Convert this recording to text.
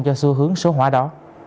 cho xu hướng số hóa đó